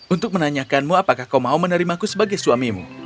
untuk menanyakanmu apakah kau mau menerimaku sebagai suamimu